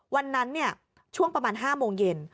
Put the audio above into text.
วันนั้นช่วงประมาณ๕โมงเย็น